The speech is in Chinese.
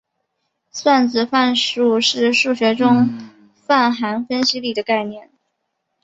算子范数是数学中泛函分析里的概念。